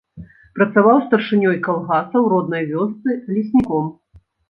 Працаваў старшынёй калгаса ў роднай вёсцы, лесніком.